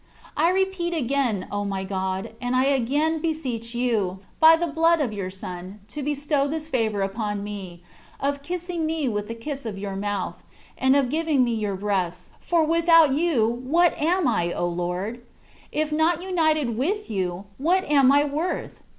I repeat again, O my God ! and I again beseech You, by the blood of Your Son, to bestow this favour upon me, " of kissing me with the kiss of Your mouth,'^ and of giving me Your breasts, for without You, what am If O Lord ? If not united with You, what am I worth?